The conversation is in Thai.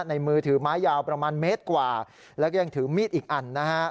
มือถือไม้ยาวประมาณเมตรกว่าแล้วก็ยังถือมีดอีกอันนะฮะ